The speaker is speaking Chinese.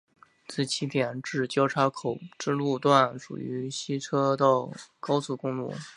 自起点至交叉口之路段属于四车道高速公路。